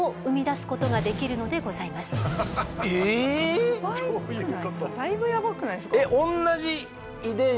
だいぶヤバくないですか？